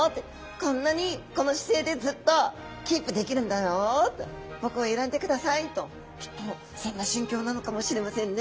こんなにこの姿勢でずっとキープできるんだよと僕を選んでくださいときっとそんな心境なのかもしれませんね。